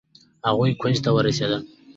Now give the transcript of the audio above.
هغوئ کونج ته ورسېدل.